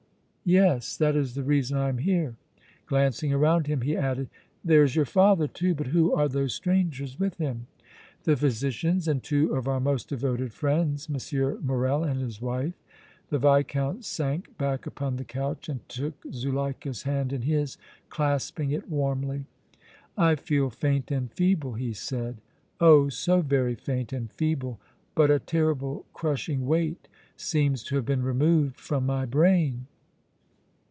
yes. That is the reason I am here." Glancing around him he added: "There is your father, too, but who are those strangers with him?" "The physicians, and two of our most devoted friends, M. Morrel and his wife." The Viscount sank back upon the couch and took Zuleika's hand in his, clasping it warmly. "I feel faint and feeble," he said, "oh! so very faint and feeble, but a terrible, crushing weight seems to have been removed from my brain!"